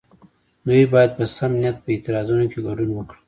دوی باید په سم نیت په اعتراضونو کې ګډون وکړي.